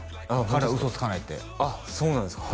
「彼は嘘つかない」ってあっそうなんですか？